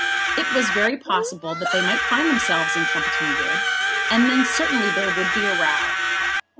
It was very possible that they might find themselves in Trumpeton Wood, and then certainly there would be a row.